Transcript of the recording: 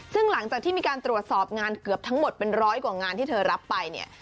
ซึ่งหลังจากที่มีการตรวจสอบงานเกือบทั้งหมดเป็นร้อยกว่างานที่เธอรับไปเนี่ย